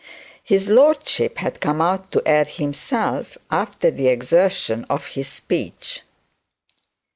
His lordship had come out to air himself afer the exertion of his speech.